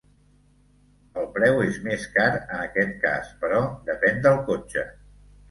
El preu és més car en aquest cas, però depèn del cotxe.